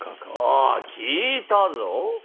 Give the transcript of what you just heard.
ああ聞いたぞ。